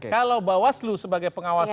kalau bawaslu sebagai pengawas